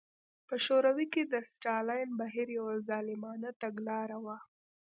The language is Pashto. په شوروي کې د ستالین بهیر یوه ظالمانه تګلاره وه.